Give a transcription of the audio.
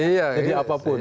iya jadi apapun